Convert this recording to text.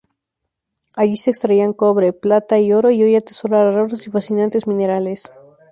Allí se extraían cobre, plata y oro y hoy atesora raros y fascinantes minerales.